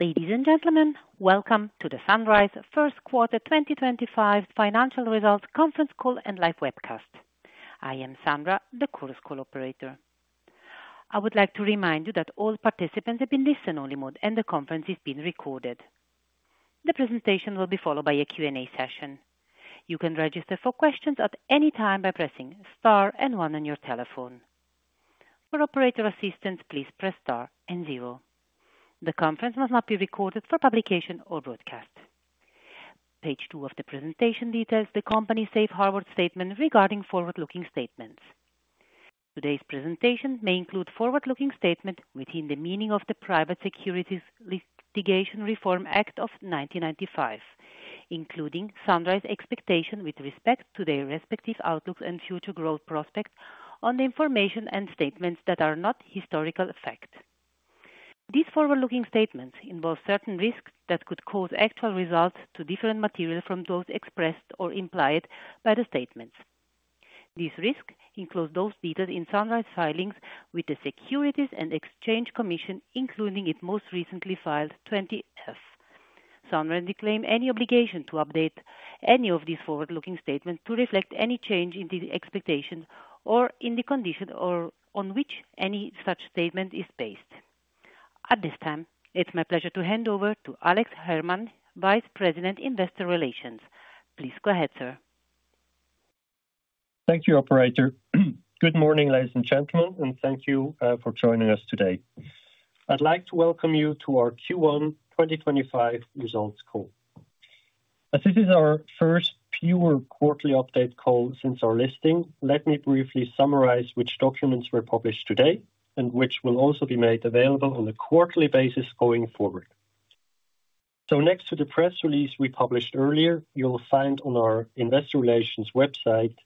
Ladies and gentlemen, welcome to the Sunrise First Quarter 2025 Financial Results Conference Call and Live Webcast. I am Sandra, the course co-operator. I would like to remind you that all participants have been listen-only mode and the conference is being recorded. The presentation will be followed by a Q&A session. You can register for questions at any time by pressing star and one on your telephone. For operator assistance, please press star and zero. The conference must not be recorded for publication or broadcast. Page two of the presentation details the company's safe harbor statement regarding forward-looking statements. Today's presentation may include forward-looking statements within the meaning of the Private Securities Litigation Reform Act of 1995, including Sunrise expectations with respect to their respective outlooks and future growth prospects on the information and statements that are not historical facts. These forward-looking statements involve certain risks that could cause actual results to differ materially from those expressed or implied by the statements. These risks include those detailed in Sunrise filings with the Securities and Exchange Commission, including its most recently filed 20F. Sunrise disclaims any obligation to update any of these forward-looking statements to reflect any change in the expectations or in the conditions on which any such statement is based. At this time, it's my pleasure to hand over to Alex Herrmann, Vice President, Investor Relations. Please go ahead, sir. Thank you, Operator. Good morning, ladies and gentlemen, and thank you for joining us today. I'd like to welcome you to our Q1 2025 results call. As this is our first pure quarterly update call since our listing, let me briefly summarize which documents were published today and which will also be made available on a quarterly basis going forward. Next to the press release we published earlier, you'll find on our Investor Relations website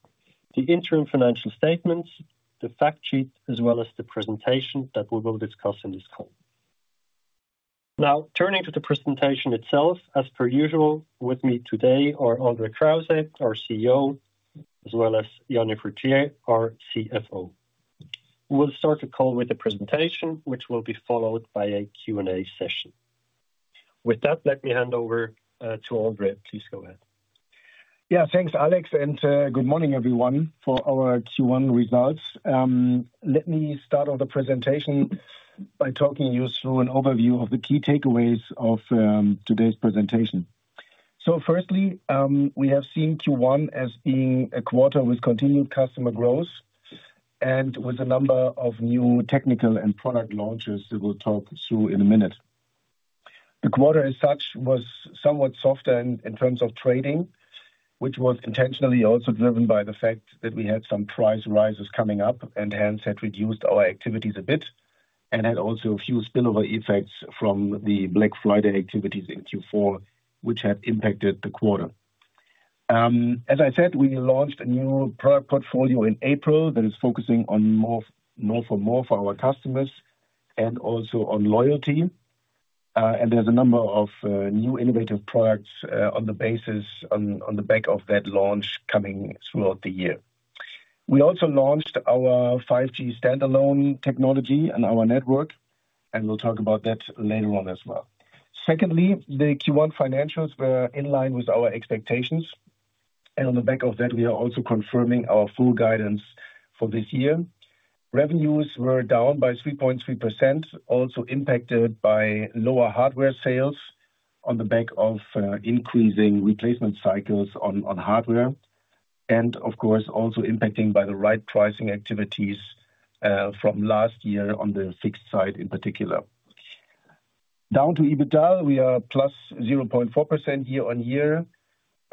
the interim financial statements, the fact sheet, as well as the presentation that we will discuss in this call. Now, turning to the presentation itself, as per usual, with me today are André Krause, our CEO, as well as Jany Fruytier, our CFO. We'll start the call with a presentation, which will be followed by a Q&A session. With that, let me hand over to André. Please go ahead. Yeah, thanks, Alex, and good morning, everyone, for our Q1 results. Let me start the presentation by talking you through an overview of the key takeaways of today's presentation. Firstly, we have seen Q1 as being a quarter with continued customer growth and with a number of new technical and product launches that we'll talk through in a minute. The quarter as such was somewhat softer in terms of trading, which was intentionally also driven by the fact that we had some price rises coming up, and hence had reduced our activities a bit and had also a few spillover effects from the Black Friday activities in Q4, which had impacted the quarter. As I said, we launched a new product portfolio in April that is focusing on more for more for our customers and also on loyalty. There is a number of new innovative products on the basis on the back of that launch coming throughout the year. We also launched our 5G Standalone technology and our network, and we will talk about that later on as well. Secondly, the Q1 financials were in line with our expectations. On the back of that, we are also confirming our full guidance for this year. Revenues were down by 3.3%, also impacted by lower hardware sales on the back of increasing replacement cycles on hardware and, of course, also impacted by the right pricing activities from last year on the fixed side in particular. Down to EBITDA, we are +0.4% year on year.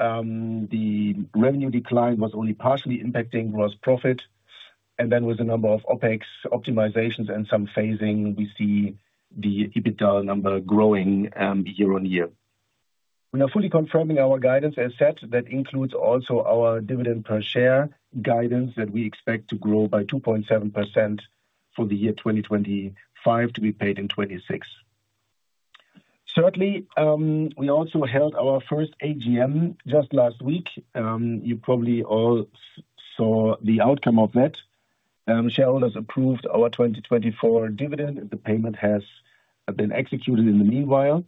The revenue decline was only partially impacting gross profit. With a number of OPEX optimizations and some phasing, we see the EBITDA number growing year on year. We are fully confirming our guidance, as said, that includes also our dividend per share guidance that we expect to grow by 2.7% for the year 2025 to be paid in 2026. Certainly, we also held our first AGM just last week. You probably all saw the outcome of that. Shareholders approved our 2024 dividend, and the payment has been executed in the meanwhile.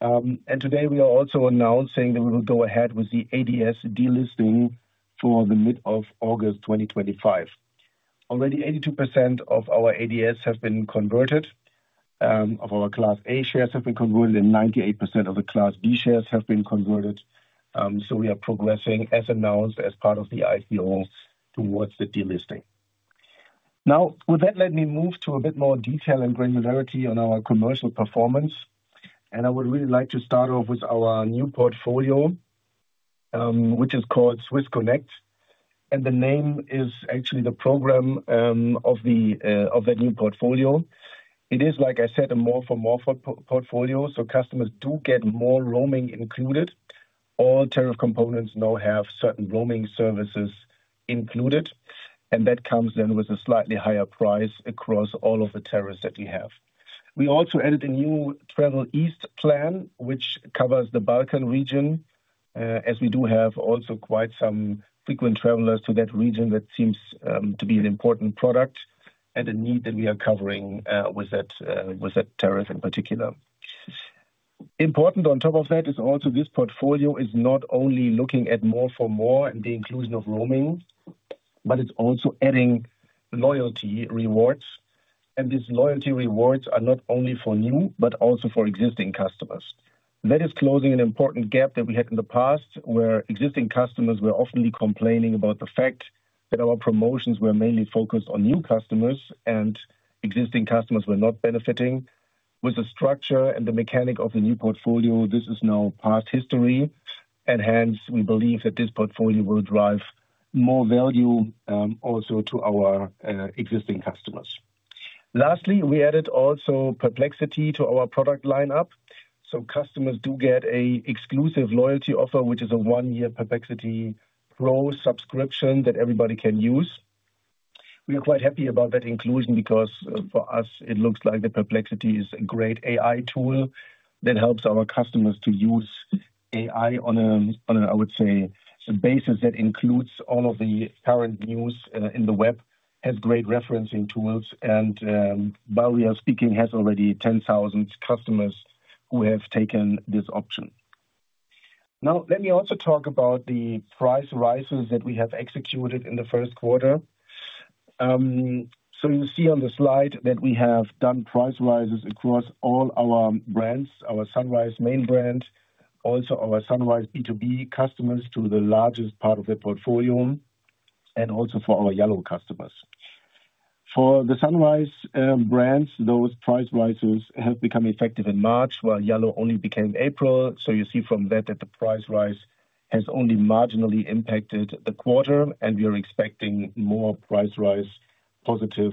Today, we are also announcing that we will go ahead with the ADS delisting for mid-August 2025. Already, 82% of our ADS have been converted. Of our Class A shares have been converted, and 98% of the Class B shares have been converted. We are progressing, as announced, as part of the IPO towards the delisting. Now, with that, let me move to a bit more detail and granularity on our commercial performance. I would really like to start off with our new portfolio, which is called Swiss Connect. The name is actually the program of that new portfolio. It is, like I said, a more for more portfolio, so customers do get more roaming included. All tariff components now have certain roaming services included, and that comes then with a slightly higher price across all of the tariffs that we have. We also added a new Travel East plan, which covers the Balkan region, as we do have also quite some frequent travelers to that region. That seems to be an important product and a need that we are covering with that tariff in particular. Important on top of that is also this portfolio is not only looking at more for more and the inclusion of roaming, but it is also adding loyalty rewards. These loyalty rewards are not only for new, but also for existing customers. That is closing an important gap that we had in the past, where existing customers were often complaining about the fact that our promotions were mainly focused on new customers and existing customers were not benefiting. With the structure and the mechanic of the new portfolio, this is now past history. We believe that this portfolio will drive more value also to our existing customers. Lastly, we added also Perplexity to our product lineup. Customers do get an exclusive loyalty offer, which is a one-year Perplexity Pro subscription that everybody can use. We are quite happy about that inclusion because for us, it looks like the Perplexity is a great AI tool that helps our customers to use AI on a, I would say, basis that includes all of the current news in the web, has great referencing tools, and while we are speaking, has already 10,000 customers who have taken this option. Now, let me also talk about the price rises that we have executed in the first quarter. You see on the slide that we have done price rises across all our brands, our Sunrise main brand, also our Sunrise B2B customers to the largest part of the portfolio, and also for our yallo customers. For the Sunrise brands, those price rises have become effective in March, while yallo only became April. You see from that that the price rise has only marginally impacted the quarter, and we are expecting more price rise positive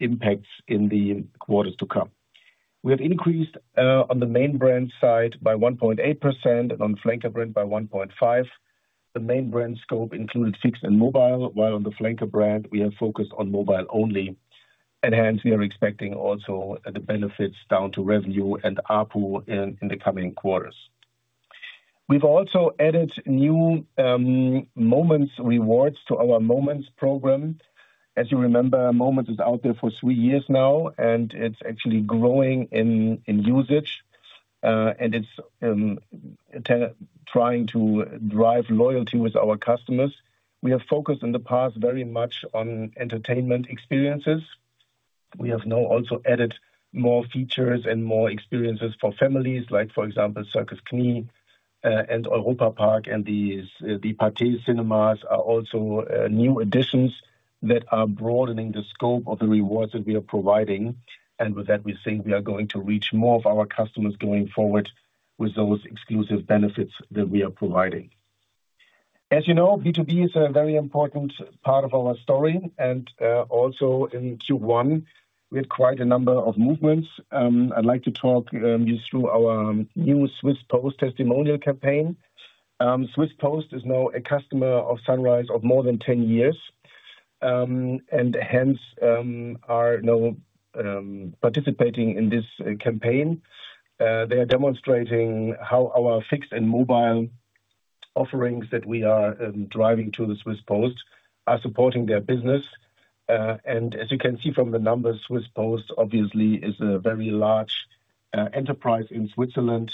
impacts in the quarters to come. We have increased on the main brand side by 1.8% and on the flanker brand by 1.5%. The main brand scope included fixed and mobile, while on the flanker brand, we have focused on mobile only. Hence, we are expecting also the benefits down to revenue and APU in the coming quarters. We have also added new Moments rewards to our Moments program. As you remember, Moments is out there for three years now, and it is actually growing in usage, and it is trying to drive loyalty with our customers. We have focused in the past very much on entertainment experiences. We have now also added more features and more experiences for families, like, for example, Circus Knie and Europa-Park, and the Pathé Cinemas are also new additions that are broadening the scope of the rewards that we are providing. With that, we think we are going to reach more of our customers going forward with those exclusive benefits that we are providing. As you know, B2B is a very important part of our story. Also in Q1, we had quite a number of movements. I'd like to talk you through our new Swiss Post testimonial campaign. Swiss Post is now a customer of Sunrise of more than 10 years, and hence are now participating in this campaign. They are demonstrating how our fixed and mobile offerings that we are driving to the Swiss Post are supporting their business. As you can see from the numbers, Swiss Post obviously is a very large enterprise in Switzerland,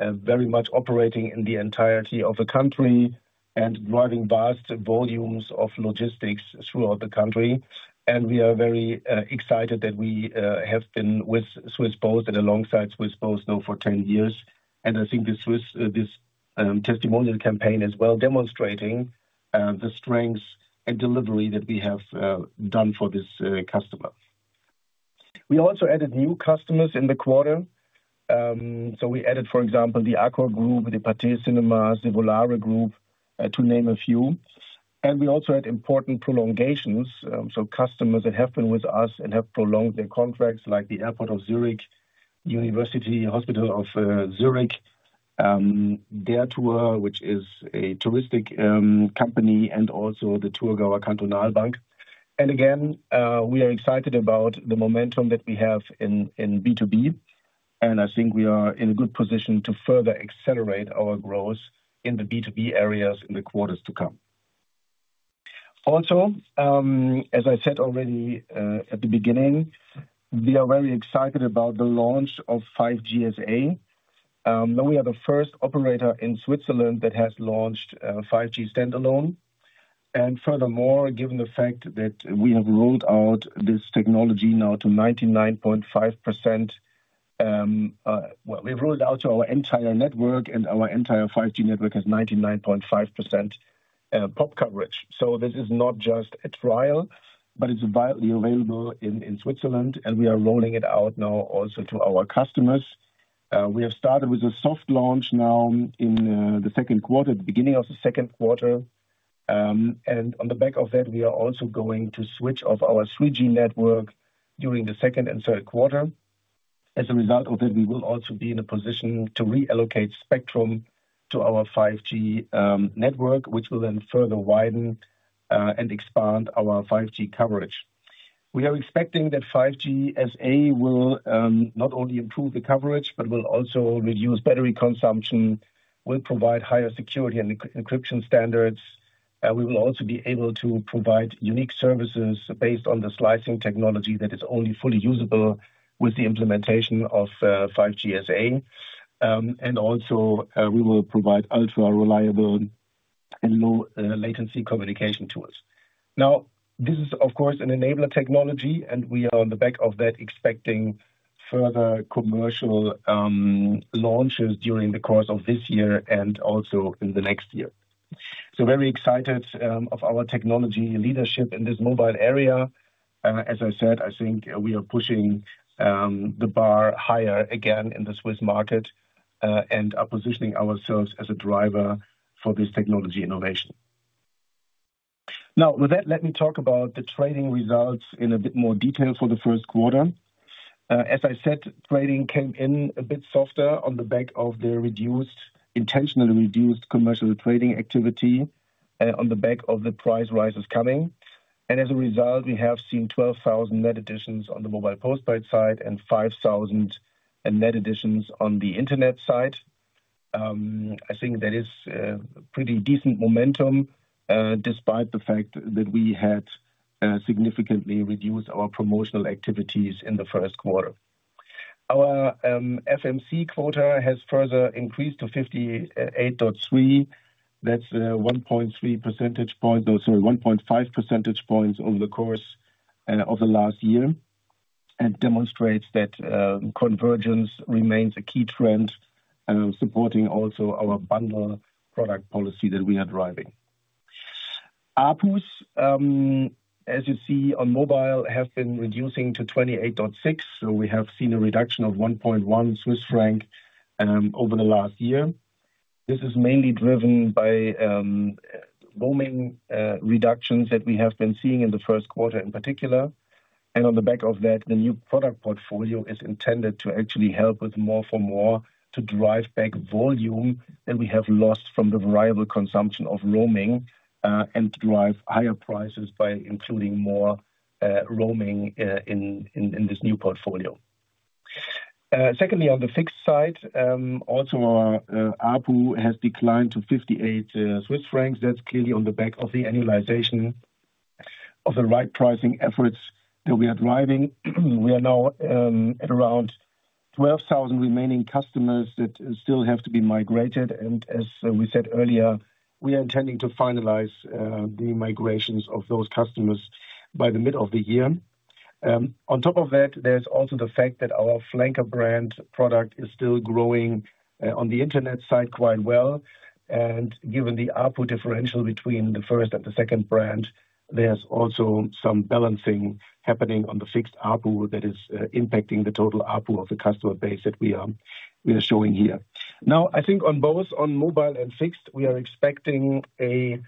very much operating in the entirety of the country and driving vast volumes of logistics throughout the country. We are very excited that we have been with Swiss Post and alongside Swiss Post now for 10 years. I think this Swiss testimonial campaign is well demonstrating the strengths and delivery that we have done for this customer. We also added new customers in the quarter. We added, for example, the Aquagroup, Pathé Cinemas, the Volare Group, to name a few. We also had important prolongations. Customers that have been with us and have prolonged their contracts, like Zurich Airport, University Hospital Zurich, Der Tour, which is a touristic company, and also the Zürcher Kantonalbank. We are excited about the momentum that we have in B2B. I think we are in a good position to further accelerate our growth in the B2B areas in the quarters to come. Also, as I said already at the beginning, we are very excited about the launch of 5GSA. We are the first operator in Switzerland that has launched 5G Standalone. Furthermore, given the fact that we have rolled out this technology now to 99.5%, we have rolled out to our entire network, and our entire 5G network has 99.5% pop coverage. This is not just a trial, but it is widely available in Switzerland, and we are rolling it out now also to our customers. We have started with a soft launch now in the second quarter, the beginning of the second quarter. On the back of that, we are also going to switch off our 3G network during the second and third quarter. As a result of that, we will also be in a position to reallocate spectrum to our 5G network, which will then further widen and expand our 5G coverage. We are expecting that 5GSA will not only improve the coverage, but will also reduce battery consumption, will provide higher security and encryption standards. We will also be able to provide unique services based on the slicing technology that is only fully usable with the implementation of 5GSA. We will also provide ultra-reliable and low-latency communication tools. This is, of course, an enabler technology, and we are on the back of that expecting further commercial launches during the course of this year and also in the next year. Very excited of our technology leadership in this mobile area. As I said, I think we are pushing the bar higher again in the Swiss market and are positioning ourselves as a driver for this technology innovation. Now, with that, let me talk about the trading results in a bit more detail for the first quarter. As I said, trading came in a bit softer on the back of the reduced, intentionally reduced commercial trading activity on the back of the price rises coming. As a result, we have seen 12,000 net additions on the mobile postpaid side and 5,000 net additions on the internet side. I think that is pretty decent momentum despite the fact that we had significantly reduced our promotional activities in the first quarter. Our FMC quota has further increased to 58.3%. That's 1.5 percentage points over the course of the last year. It demonstrates that convergence remains a key trend, supporting also our bundle product policy that we are driving. APUs, as you see on mobile, have been reducing to 28.6. We have seen a reduction of 1.1 Swiss franc over the last year. This is mainly driven by roaming reductions that we have been seeing in the first quarter in particular. On the back of that, the new product portfolio is intended to actually help with more-for-more to drive back volume that we have lost from the variable consumption of roaming and drive higher prices by including more roaming in this new portfolio. Secondly, on the fixed side, also our APU has declined to 58 Swiss francs. That is clearly on the back of the annualization of the right pricing efforts that we are driving. We are now at around 12,000 remaining customers that still have to be migrated. As we said earlier, we are intending to finalize the migrations of those customers by the middle of the year. On top of that, there is also the fact that our flanker brand product is still growing on the internet side quite well. Given the APU differential between the first and the second brand, there is also some balancing happening on the fixed APU that is impacting the total APU of the customer base that we are showing here. Now, I think both on mobile and fixed, we are expecting a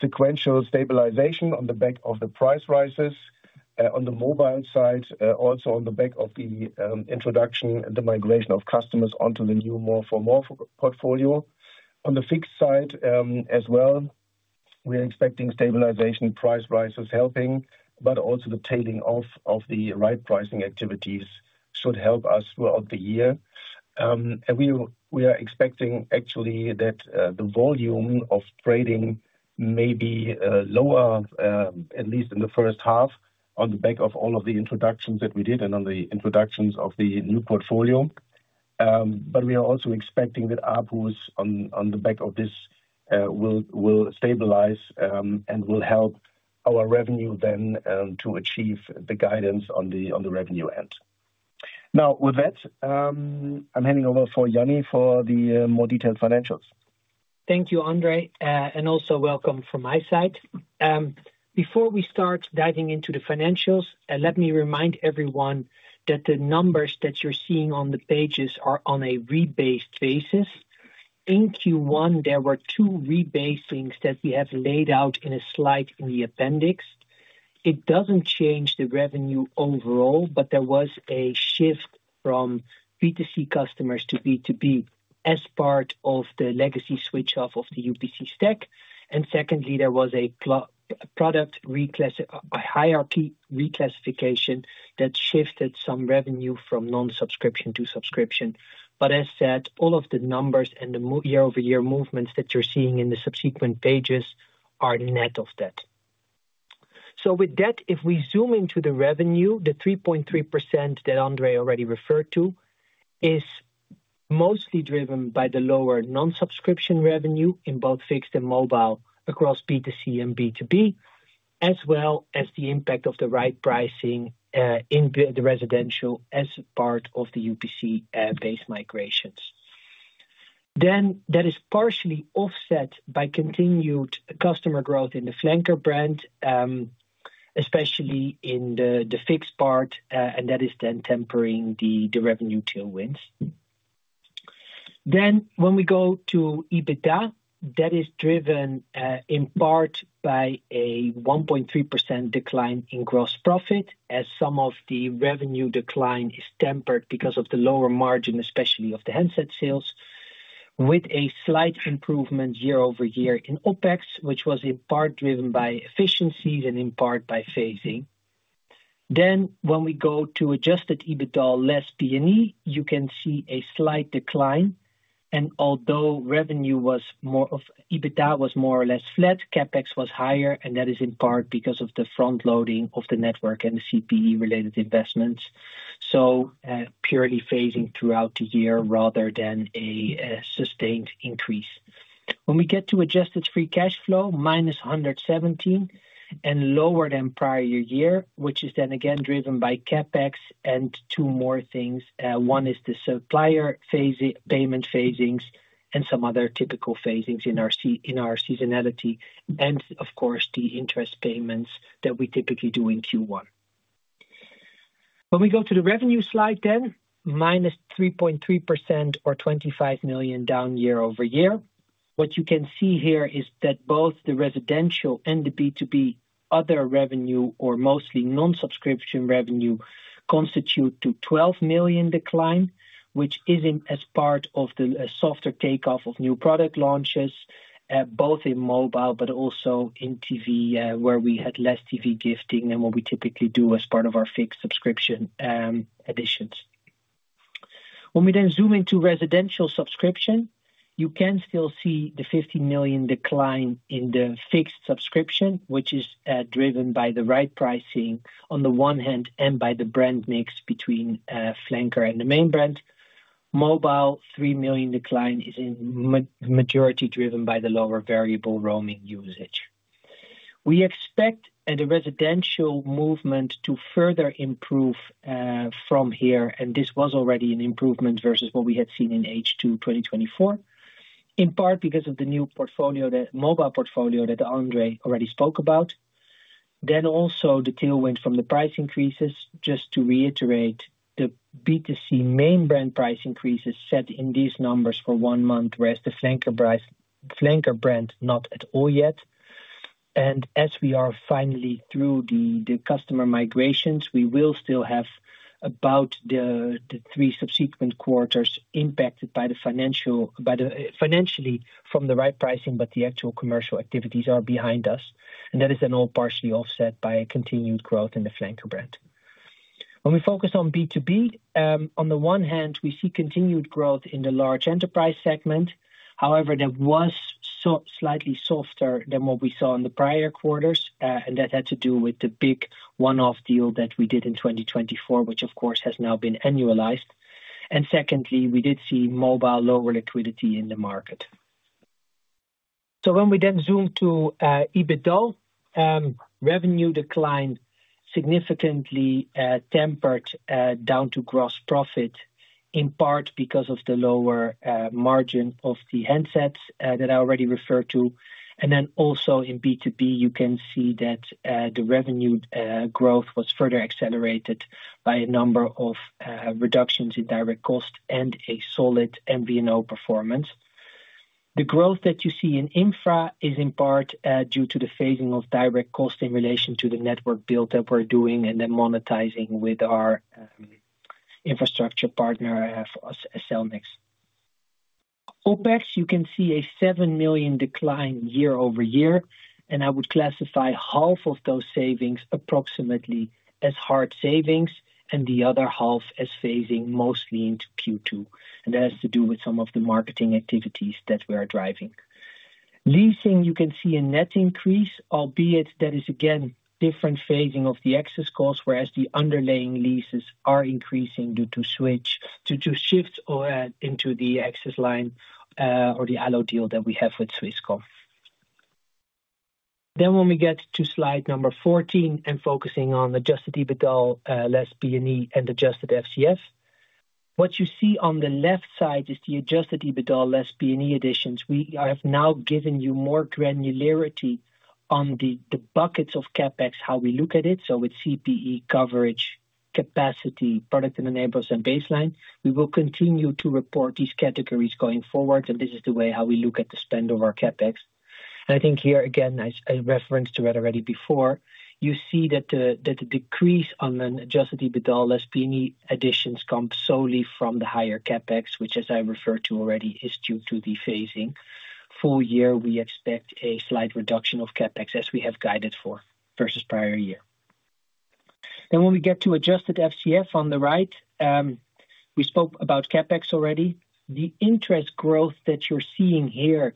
sequential stabilization on the back of the price rises. On the mobile side, also on the back of the introduction and the migration of customers onto the new more-for-more portfolio. On the fixed side as well, we are expecting stabilization, price rises helping, but also the tailing off of the right pricing activities should help us throughout the year. We are expecting actually that the volume of trading may be lower, at least in the first half, on the back of all of the introductions that we did and on the introductions of the new portfolio. We are also expecting that APUs on the back of this will stabilize and will help our revenue then to achieve the guidance on the revenue end. Now, with that, I am handing over for Jany for the more detailed financials. Thank you, André. Also, welcome from my side. Before we start diving into the financials, let me remind everyone that the numbers that you are seeing on the pages are on a rebase basis. In Q1, there were two rebasings that we have laid out in a slide in the appendix. It does not change the revenue overall, but there was a shift from B2C customers to B2B as part of the legacy switch-off of the UPC stack. Secondly, there was a product hierarchy reclassification that shifted some revenue from non-subscription to subscription. As said, all of the numbers and the year-over-year movements that you are seeing in the subsequent pages are net of that. If we zoom into the revenue, the 3.3% that André already referred to is mostly driven by the lower non-subscription revenue in both fixed and mobile across B2C and B2B, as well as the impact of the right pricing in the residential as part of the UPC-based migrations. That is partially offset by continued customer growth in the flanker brand, especially in the fixed part, and that is tempering the revenue tailwinds. When we go to EBITDA, that is driven in part by a 1.3% decline in gross profit, as some of the revenue decline is tempered because of the lower margin, especially of the handset sales, with a slight improvement year-over-year in OPEX, which was in part driven by efficiencies and in part by phasing. When we go to adjusted EBITDA less P&E, you can see a slight decline. Although revenue was more or less flat, CAPEX was higher, and that is in part because of the front-loading of the network and the CPE-related investments. Purely phasing throughout the year rather than a sustained increase. When we get to adjusted free cash flow, minus 117 million and lower than prior year, which is then again driven by CAPEX and two more things. One is the supplier payment phasings and some other typical phasings in our seasonality. Of course, the interest payments that we typically do in Q1. When we go to the revenue slide then, minus 3.3% or 25 million down year over year. What you can see here is that both the residential and the B2B other revenue, or mostly non-subscription revenue, constitute to 12 million decline, which is as part of the softer takeoff of new product launches, both in mobile, but also in TV, where we had less TV gifting than what we typically do as part of our fixed subscription additions. When we then zoom into residential subscription, you can still see the 15 million decline in the fixed subscription, which is driven by the right pricing on the one hand and by the brand mix between flanker and the main brand. Mobile, 3 million decline is in majority driven by the lower variable roaming usage. We expect the residential movement to further improve from here, and this was already an improvement versus what we had seen in H2 2024, in part because of the new mobile portfolio that André already spoke about. Also the tailwind from the price increases, just to reiterate, the B2C main brand price increases set in these numbers for one month, whereas the flanker brand not at all yet. As we are finally through the customer migrations, we will still have about the three subsequent quarters impacted financially from the right pricing, but the actual commercial activities are behind us. That is then all partially offset by continued growth in the flanker brand. When we focus on B2B, on the one hand, we see continued growth in the large enterprise segment. However, that was slightly softer than what we saw in the prior quarters, and that had to do with the big one-off deal that we did in 2024, which of course has now been annualized. Secondly, we did see mobile lower liquidity in the market. When we then zoom to EBITDA, revenue decline significantly tempered down to gross profit, in part because of the lower margin of the handsets that I already referred to. In B2B, you can see that the revenue growth was further accelerated by a number of reductions in direct cost and a solid MVNO performance. The growth that you see in infra is in part due to the phasing of direct cost in relation to the network build that we are doing and then monetizing with our infrastructure partner, Cellnex. OPEX, you can see a 7 million decline year over year, and I would classify half of those savings approximately as hard savings and the other half as phasing mostly into Q2. That has to do with some of the marketing activities that we are driving. Leasing, you can see a net increase, albeit that is again different phasing of the excess costs, whereas the underlying leases are increasing due to shifts into the excess line or the yallo deal that we have with Swisscom. When we get to slide number 14 and focusing on adjusted EBITDA less P&E and adjusted FCF, what you see on the left side is the adjusted EBITDA less P&E additions. We have now given you more granularity on the buckets of CAPEX, how we look at it. With CPE, coverage, capacity, product and enablers, and baseline, we will continue to report these categories going forward, and this is the way how we look at the spend of our CAPEX. I think here again, I referenced to it already before, you see that the decrease on an adjusted EBITDA less P&E additions comes solely from the higher CAPEX, which, as I referred to already, is due to the phasing. Full year, we expect a slight reduction of CAPEX as we have guided for versus prior year. When we get to adjusted FCF on the right, we spoke about CAPEX already. The interest growth that you're seeing here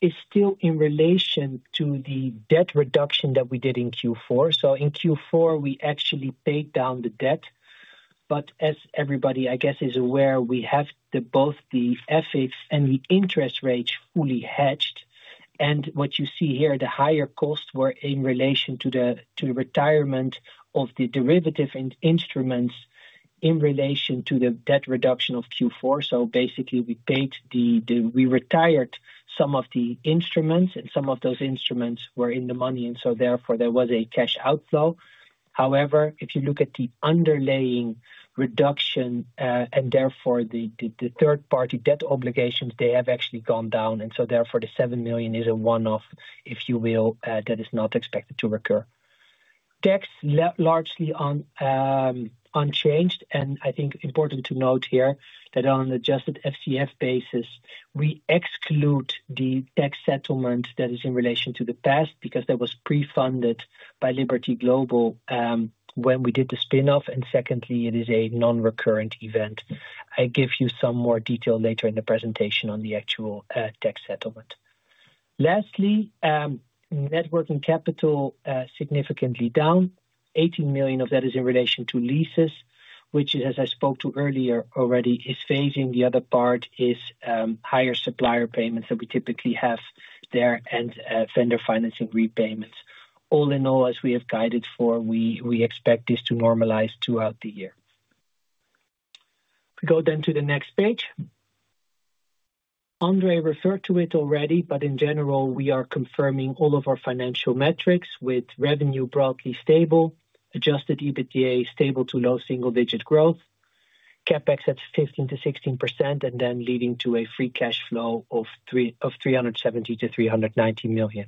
is still in relation to the debt reduction that we did in Q4. In Q4, we actually paid down the debt. As everybody, I guess, is aware, we have both the FX and the interest rates fully hedged. What you see here, the higher costs were in relation to the retirement of the derivative instruments in relation to the debt reduction of Q4. Basically, we retired some of the instruments, and some of those instruments were in the money, and therefore there was a cash outflow. However, if you look at the underlying reduction and therefore the third-party debt obligations, they have actually gone down. Therefore, the 7 million is a one-off, if you will, that is not expected to recur. Tax largely unchanged. I think important to note here that on an adjusted FCF basis, we exclude the tax settlement that is in relation to the past because that was pre-funded by Liberty Global when we did the spinoff. Secondly, it is a non-recurrent event. I give you some more detail later in the presentation on the actual tax settlement. Lastly, networking capital significantly down. 18 million of that is in relation to leases, which, as I spoke to earlier already, is phasing. The other part is higher supplier payments that we typically have there and vendor financing repayments. All in all, as we have guided for, we expect this to normalize throughout the year. If we go then to the next page, André referred to it already, but in general, we are confirming all of our financial metrics with revenue broadly stable, adjusted EBITDA stable to low single-digit growth, CAPEX at 15%-16%, and then leading to a free cash flow of 370 million-390 million.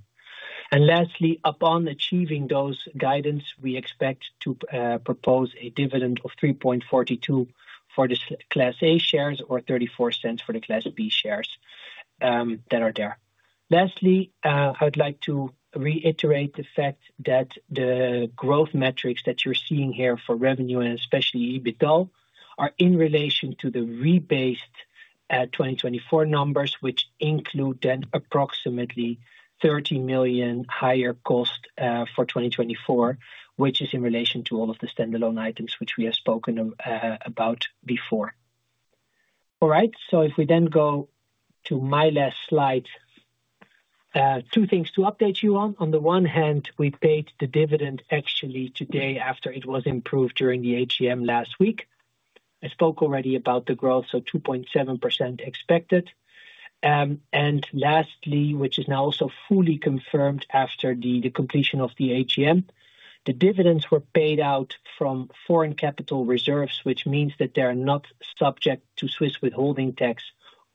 Lastly, upon achieving those guidance, we expect to propose a dividend of 3.42 for the Class A shares or 0.34 for the Class B shares that are there. Lastly, I'd like to reiterate the fact that the growth metrics that you're seeing here for revenue, and especially EBITDA, are in relation to the rebased 2024 numbers, which include then approximately 30 million higher cost for 2024, which is in relation to all of the standalone items which we have spoken about before. All right. If we then go to my last slide, two things to update you on. On the one hand, we paid the dividend actually today after it was approved during the AGM last week. I spoke already about the growth, so 2.7% expected. Lastly, which is now also fully confirmed after the completion of the AGM, the dividends were paid out from foreign capital reserves, which means that they are not subject to Swiss withholding tax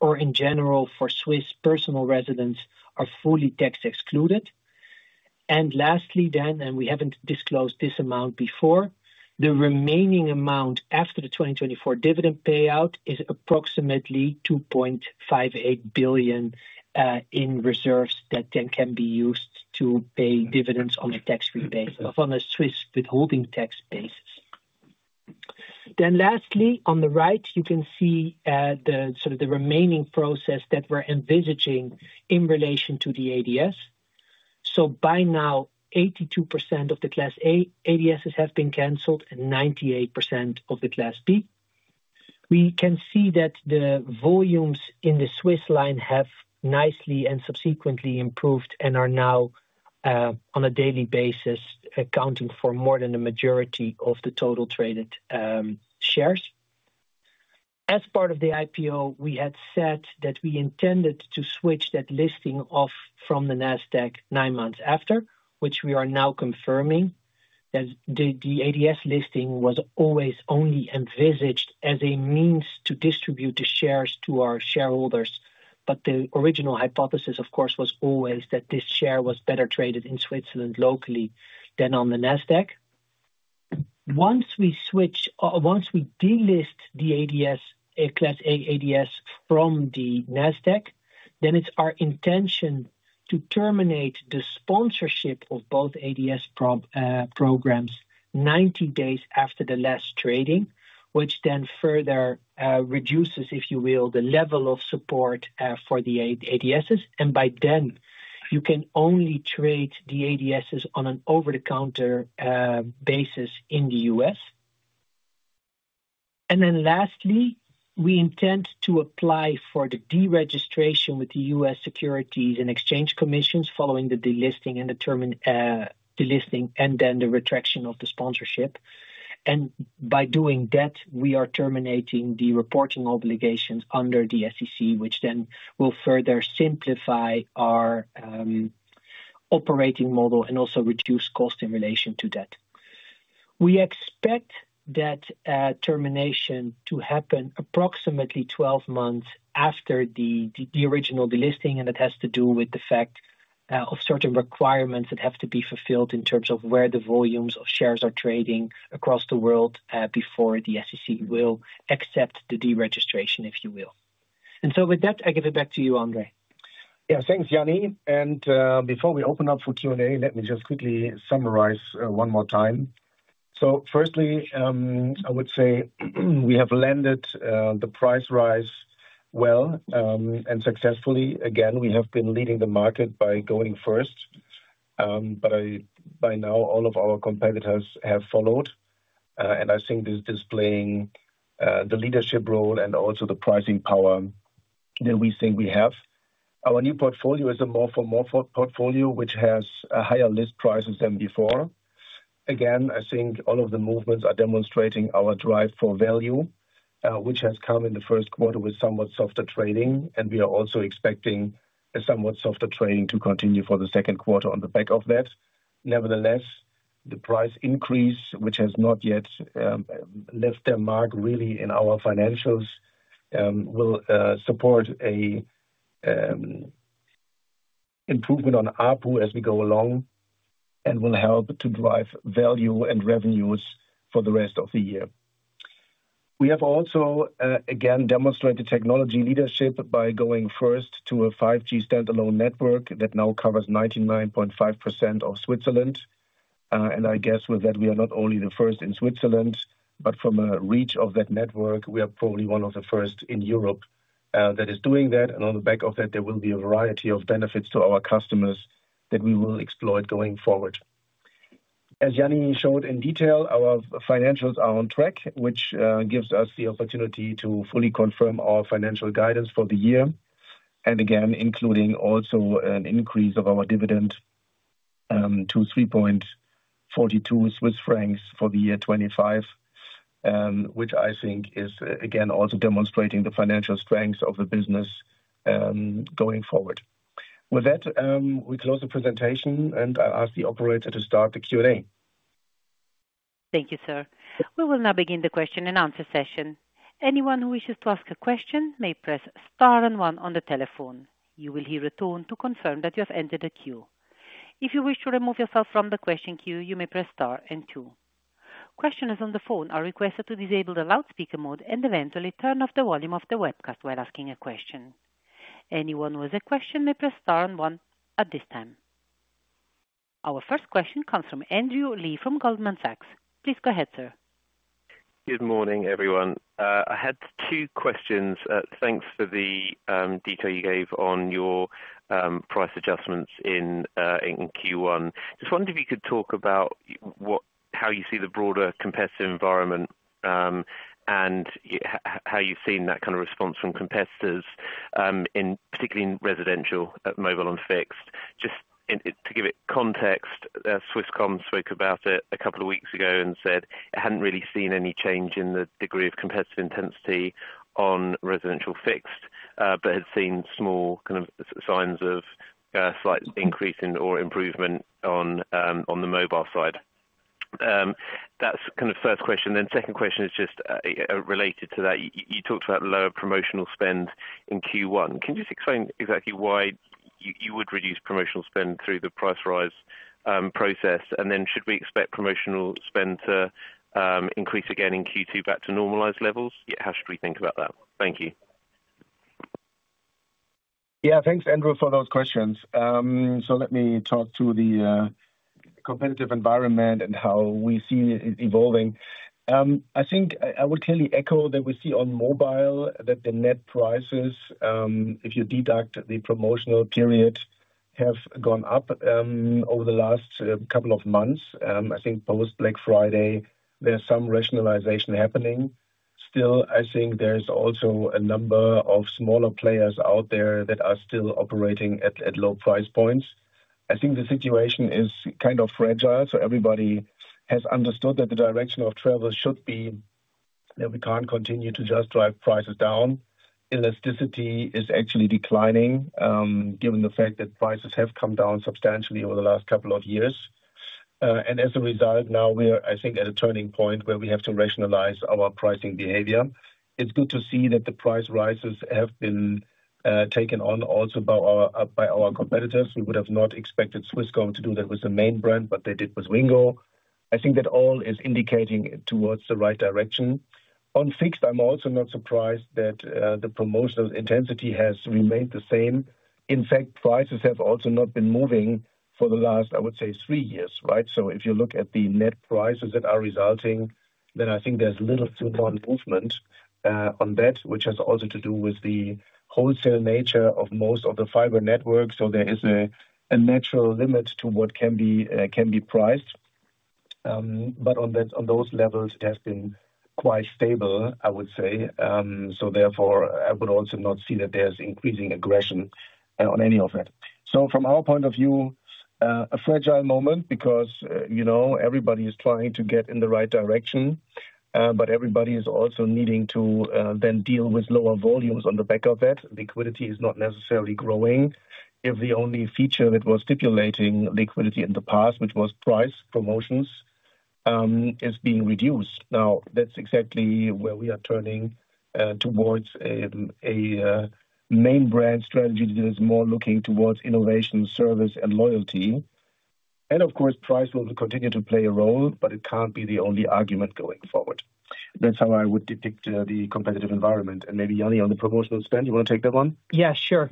or in general for Swiss personal residents are fully tax excluded. Lastly then, and we have not disclosed this amount before, the remaining amount after the 2024 dividend payout is approximately 2.58 billion in reserves that then can be used to pay dividends on a tax rebate on a Swiss withholding tax basis. Lastly, on the right, you can see the sort of the remaining process that we're envisaging in relation to the ADS. By now, 82% of the Class A ADSs have been canceled and 98% of the Class B. We can see that the volumes in the Swiss line have nicely and subsequently improved and are now on a daily basis accounting for more than the majority of the total traded shares. As part of the IPO, we had said that we intended to switch that listing off from the Nasdaq nine months after, which we are now confirming that the ADS listing was always only envisaged as a means to distribute the shares to our shareholders. The original hypothesis, of course, was always that this share was better traded in Switzerland locally than on the Nasdaq. Once we delist the Class A ADS from the Nasdaq, then it's our intention to terminate the sponsorship of both ADS programs 90 days after the last trading, which then further reduces, if you will, the level of support for the ADSs. By then, you can only trade the ADSs on an over-the-counter basis in the U.S. Lastly, we intend to apply for the deregistration with the U.S. Securities and Exchange Commission following the delisting and the retraction of the sponsorship. By doing that, we are terminating the reporting obligations under the SEC, which then will further simplify our operating model and also reduce cost in relation to that. We expect that termination to happen approximately 12 months after the original delisting, and that has to do with the fact of certain requirements that have to be fulfilled in terms of where the volumes of shares are trading across the world before the SEC will accept the deregistration, if you will. With that, I give it back to you, André. Yeah, thanks, Jany. Before we open up for Q&A, let me just quickly summarize one more time. Firstly, I would say we have landed the price rise well and successfully. Again, we have been leading the market by going first, but by now, all of our competitors have followed. I think this is displaying the leadership role and also the pricing power that we think we have. Our new portfolio is a more-for-more portfolio, which has higher list prices than before. Again, I think all of the movements are demonstrating our drive for value, which has come in the first quarter with somewhat softer trading. We are also expecting a somewhat softer trading to continue for the second quarter on the back of that. Nevertheless, the price increase, which has not yet left their mark really in our financials, will support an improvement on APU as we go along and will help to drive value and revenues for the rest of the year. We have also, again, demonstrated technology leadership by going first to a 5G Standalone network that now covers 99.5% of Switzerland. I guess with that, we are not only the first in Switzerland, but from a reach of that network, we are probably one of the first in Europe that is doing that. On the back of that, there will be a variety of benefits to our customers that we will exploit going forward. As Jany showed in detail, our financials are on track, which gives us the opportunity to fully confirm our financial guidance for the year. Again, including also an increase of our dividend to 3.42 Swiss francs for the year 2025, which I think is again also demonstrating the financial strength of the business going forward. With that, we close the presentation, and I will ask the operator to start the Q&A. Thank you, sir. We will now begin the question and answer session. Anyone who wishes to ask a question may press star and one on the telephone. You will hear a tone to confirm that you have entered a queue. If you wish to remove yourself from the question queue, you may press star and two. Questioners on the phone are requested to disable the loudspeaker mode and eventually turn off the volume of the webcast while asking a question. Anyone with a question may press star and one at this time. Our first question comes from Andrew Lee from Goldman Sachs. Please go ahead, sir. Good morning, everyone. I had two questions. Thanks for the detail you gave on your price adjustments in Q1. Just wondered if you could talk about how you see the broader competitive environment and how you've seen that kind of response from competitors, particularly in residential, mobile, and fixed? Just to give it context, Swisscom spoke about it a couple of weeks ago and said it hadn't really seen any change in the degree of competitive intensity on residential fixed, but had seen small kind of signs of slight increase or improvement on the mobile side. That's kind of first question. Then second question is just related to that. You talked about lower promotional spend in Q1. Can you just explain exactly why you would reduce promotional spend through the price rise process? Then should we expect promotional spend to increase again in Q2 back to normalized levels? How should we think about that? Thank you. Yeah, thanks, Andrew, for those questions. Let me talk to the competitive environment and how we see it evolving. I think I would clearly echo that we see on mobile that the net prices, if you deduct the promotional period, have gone up over the last couple of months. I think post-Black Friday, there's some rationalization happening. Still, I think there's also a number of smaller players out there that are still operating at low price points. I think the situation is kind of fragile. Everybody has understood that the direction of travel should be that we can't continue to just drive prices down. Elasticity is actually declining given the fact that prices have come down substantially over the last couple of years. As a result, now we're, I think, at a turning point where we have to rationalize our pricing behavior. It's good to see that the price rises have been taken on also by our competitors. We would have not expected Swisscom to do that with the main brand, but they did with Wingo. I think that all is indicating towards the right direction. On fixed, I'm also not surprised that the promotional intensity has remained the same. In fact, prices have also not been moving for the last, I would say, three years, right? If you look at the net prices that are resulting, then I think there's little to no movement on that, which has also to do with the wholesale nature of most of the fiber networks. There is a natural limit to what can be priced. On those levels, it has been quite stable, I would say. I would also not see that there's increasing aggression on any of that. From our point of view, a fragile moment because everybody is trying to get in the right direction, but everybody is also needing to then deal with lower volumes on the back of that. Liquidity is not necessarily growing if the only feature that was stipulating liquidity in the past, which was price promotions, is being reduced. Now, that's exactly where we are turning towards a main brand strategy that is more looking towards innovation, service, and loyalty. Of course, price will continue to play a role, but it can't be the only argument going forward. That's how I would depict the competitive environment. Maybe, Jany, on the promotional spend, you want to take that one? Yeah, sure.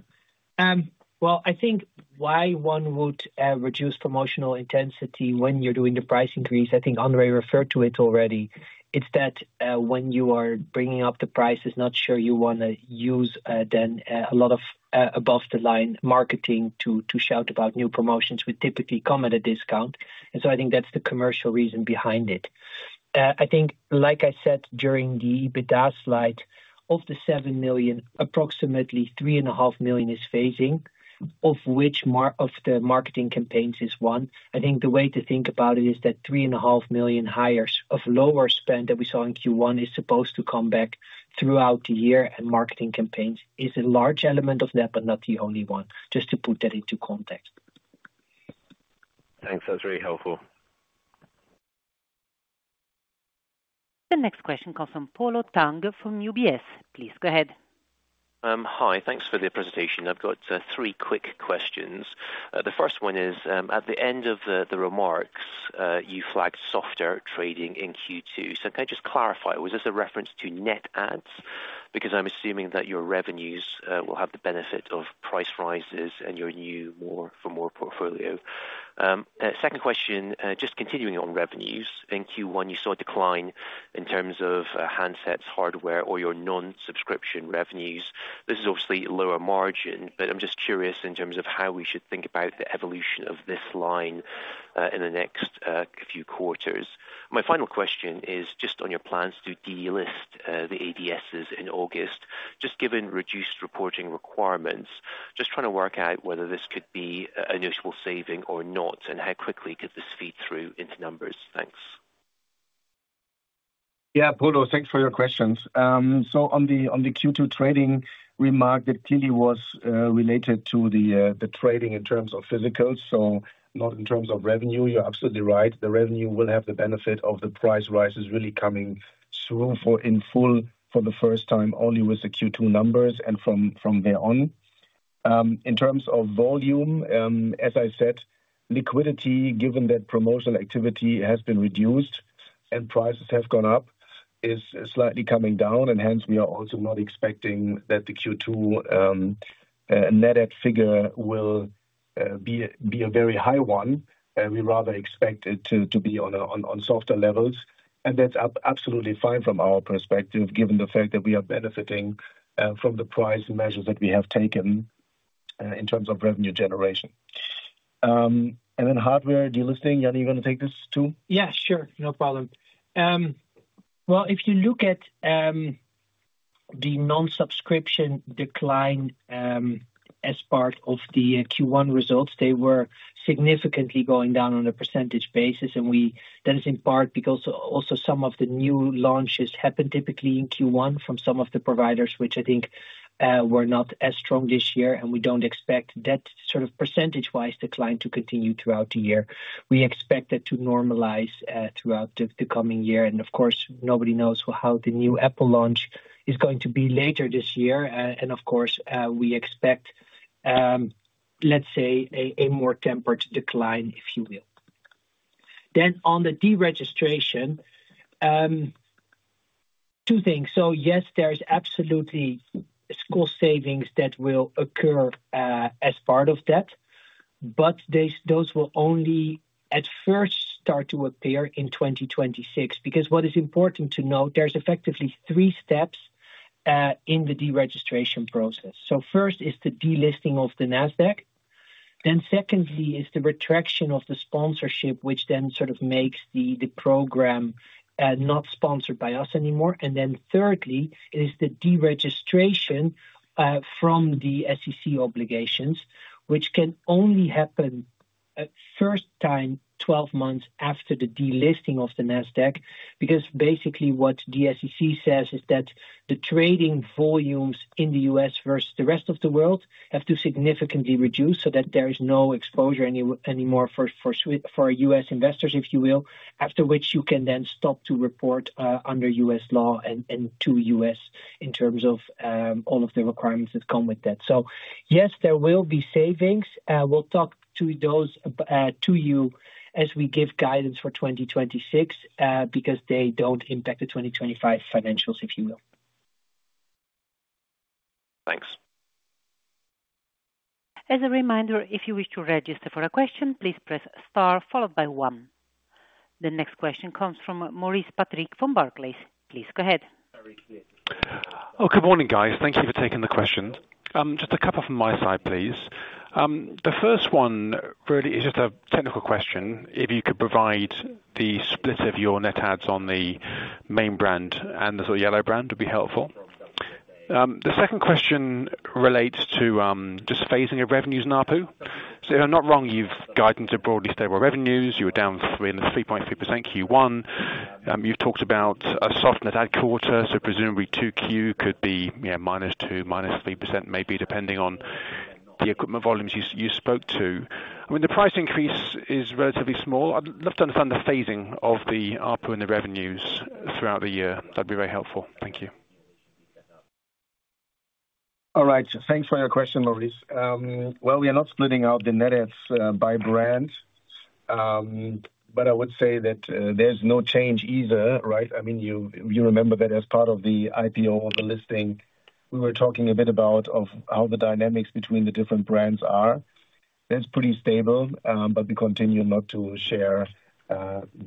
I think why one would reduce promotional intensity when you're doing the price increase, I think André referred to it already, it's that when you are bringing up the prices, not sure you want to use then a lot of above-the-line marketing to shout about new promotions. We typically come at a discount. I think that's the commercial reason behind it. I think, like I said during the EBITDA slide, of the 7 million, approximately 3.5 million is phasing, of which more of the marketing campaigns is one. I think the way to think about it is that 3.5 million hires of lower spend that we saw in Q1 is supposed to come back throughout the year and marketing campaigns is a large element of that, but not the only one, just to put that into context. Thanks. That's really helpful. The next question comes from Polo Tang from UBS. Please go ahead. Hi, thanks for the presentation. I've got three quick questions. The first one is, at the end of the remarks, you flagged software trading in Q2. Can I just clarify? Was this a reference to net ads? Because I'm assuming that your revenues will have the benefit of price rises and your new more for more portfolio. Second question, just continuing on revenues. In Q1, you saw a decline in terms of handsets, hardware, or your non-subscription revenues. This is obviously lower margin, but I'm just curious in terms of how we should think about the evolution of this line in the next few quarters. My final question is just on your plans to delist the ADSs in August, just given reduced reporting requirements, just trying to work out whether this could be a mutual saving or not, and how quickly could this feed through into numbers? Thanks. Yeah, Polo, thanks for your questions. On the Q2 trading remark, that clearly was related to the trading in terms of physicals, not in terms of revenue, you're absolutely right. The revenue will have the benefit of the price rises really coming through in full for the first time only with the Q2 numbers and from there on. In terms of volume, as I said, liquidity, given that promotional activity has been reduced and prices have gone up, is slightly coming down. Hence, we are also not expecting that the Q2 net ad figure will be a very high one. We rather expect it to be on softer levels. That is absolutely fine from our perspective, given the fact that we are benefiting from the price measures that we have taken in terms of revenue generation. Hardware delisting, Jany, you are going to take this too? Yeah, sure. No problem. If you look at the non-subscription decline as part of the Q1 results, they were significantly going down on a percentage basis. That is in part because also some of the new launches happened typically in Q1 from some of the providers, which I think were not as strong this year. We do not expect that sort of percentage wise decline to continue throughout the year. We expect that to normalize throughout the coming year. Of course, nobody knows how the new Apple launch is going to be later this year. Of course, we expect, let's say, a more tempered decline, if you will. On the deregistration, two things. Yes, there are absolutely cost savings that will occur as part of that, but those will only at first start to appear in 2026. What is important to note, there are effectively three steps in the deregistration process. First is the delisting of the Nasdaq. Secondly is the retraction of the sponsorship, which then sort of makes the program not sponsored by us anymore. Thirdly, it is the deregistration from the SEC obligations, which can only happen first time 12 months after the delisting of the Nasdaq. Because basically what the SEC says is that the trading volumes in the U.S. versus the rest of the world have to significantly reduce so that there is no exposure anymore for U.S. investors, if you will, after which you can then stop to report under U.S. law and to U.S. in terms of all of the requirements that come with that. Yes, there will be savings. We'll talk to those to you as we give guidance for 2026 because they do not impact the 2025 financials, if you will. Thanks. As a reminder, if you wish to register for a question, please press star followed by one. The next question comes from Maurice Patrick from Barclays. Please go ahead. Oh, good morning, guys. Thank you for taking the question. Just a couple from my side, please. The first one really is just a technical question. If you could provide the split of your net ads on the main brand and the sort of yallo brand would be helpful. The second question relates to just phasing of revenues and APO? So if I'm not wrong, you've guided to broadly stable revenues. You were down in the 3.3% Q1. You've talked about a soft net ad quarter. Presumably 2Q could be -2%, -3%, maybe depending on the equipment volumes you spoke to. I mean, the price increase is relatively small. I'd love to understand the phasing of the APO and the revenues throughout the year. That'd be very helpful. Thank you. All right. Thanks for your question, Maurice. We are not splitting out the net ads by brand, but I would say that there's no change either, right? I mean, you remember that as part of the IPO or the listing, we were talking a bit about how the dynamics between the different brands are. That's pretty stable, but we continue not to share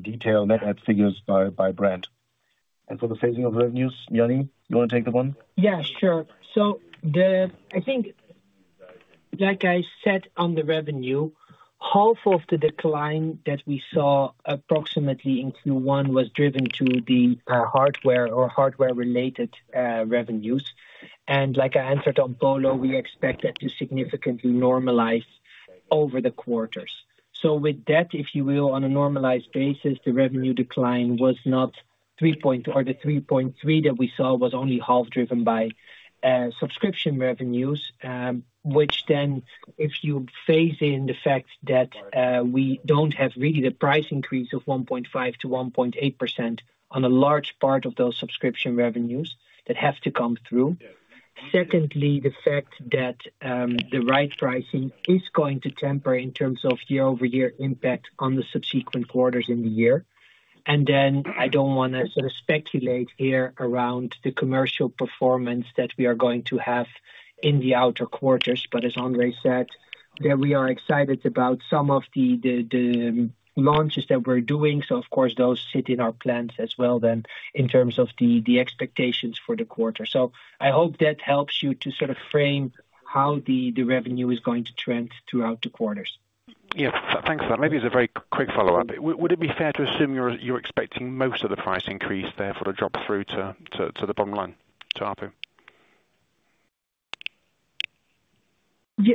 detailed net ad figures by brand. For the phasing of revenues, Jany, you want to take the one? Yeah, sure. I think, like I said on the revenue, half of the decline that we saw approximately in Q1 was driven to the hardware or hardware-related revenues. Like I answered on Polo, we expect that to significantly normalize over the quarters. With that, if you will, on a normalized basis, the revenue decline was not 3.2% or the 3.3% that we saw was only half driven by subscription revenues, which then if you phase in the fact that we do not have really the price increase of 1.5% to 1.8% on a large part of those subscription revenues that have to come through. Secondly, the fact that the right pricing is going to temper in terms of year-over-year impact on the subsequent quarters in the year. I do not want to sort of speculate here around the commercial performance that we are going to have in the outer quarters. As André said, we are excited about some of the launches that we are doing. Of course, those sit in our plans as well then in terms of the expectations for the quarter. I hope that helps you to sort of frame how the revenue is going to trend throughout the quarters. Yes, thanks for that. Maybe as a very quick follow-up, would it be fair to assume you're expecting most of the price increase there for the drop through to the bottom line to APU?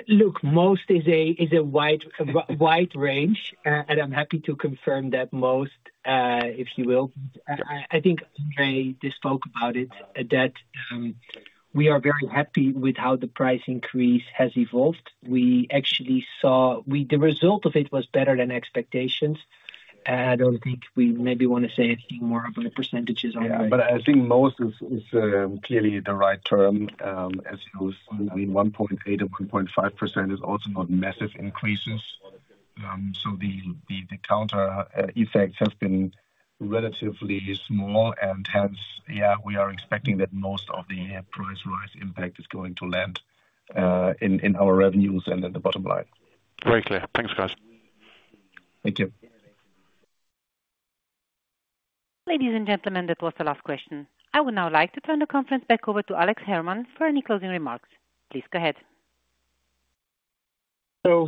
Look, most is a wide range, and I'm happy to confirm that most, if you will. I think André spoke about it, that we are very happy with how the price increase has evolved. We actually saw the result of it was better than expectations. I don't think we maybe want to say anything more about percentages on that. Yeah, but I think most is clearly the right term. As you've seen, I mean, 1.8% and 1.5% is also not massive increases. The counter effects have been relatively small. Hence, yeah, we are expecting that most of the price rise impact is going to land in our revenues and then the bottom line. Very clear. Thanks, guys. Thank you. Ladies and gentlemen, that was the last question. I would now like to turn the conference back over to Alex Herrmann for any closing remarks. Please go ahead.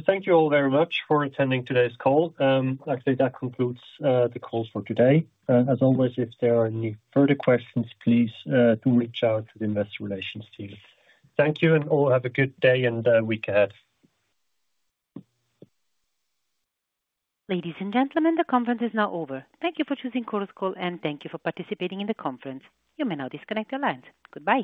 Thank you all very much for attending today's call. Actually, that concludes the call for today. As always, if there are any further questions, please do reach out to the investor relations team. Thank you, and all have a good day and week ahead. Ladies and gentlemen, the conference is now over. Thank you for choosing CorosCall, and thank you for participating in the conference. You may now disconnect your lines. Goodbye.